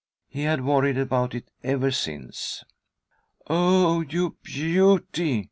He had worried about it ever since. "Oh, you beauty!"